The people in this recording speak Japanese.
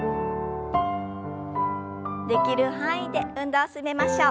できる範囲で運動を進めましょう。